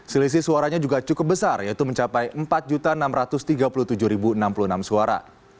selisih suaranya juga cukup besar yaitu mencapai empat enam ratus tiga puluh tujuh enam puluh enam suara